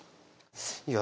いや